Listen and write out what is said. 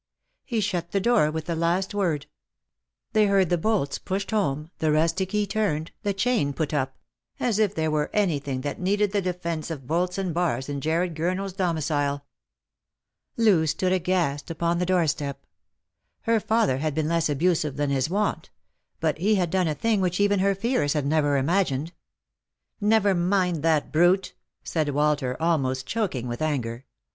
He shut the door with the last word. They heard the bolts pushed home, the rusty key turned, the chain put up — as if there were anything that needed the defence of bolts and bars in Jarred Gurner's domicile. Loo stood aghast upon the doorstep. Her father had been less abusive than his wont ; but he had done a thing which even her fears had never imagined. " Never mind that brute," said Walter, almost choking with anger.